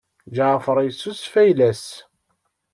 Ǧaɛfeṛ yessusef ayla-s.